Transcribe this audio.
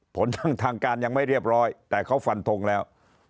ผลทางการยังไม่เรียบร้อยแต่เขาฟันทงแล้ว